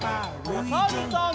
おさるさん。